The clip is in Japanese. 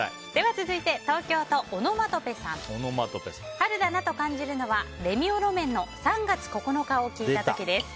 続いて、東京都の方。春だなと感じるのはレミオロメンの「３月９日」を聞いた時です。